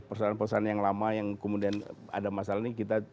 perusahaan perusahaan yang lama yang kemudian ada masalah ini kita